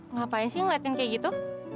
ngapain sih ngeliatin kayak gitu